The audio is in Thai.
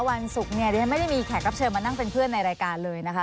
วันศุกร์เนี่ยดิฉันไม่ได้มีแขกรับเชิญมานั่งเป็นเพื่อนในรายการเลยนะคะ